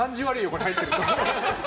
これ、入ってると。